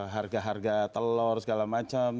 harga harga telur segala macam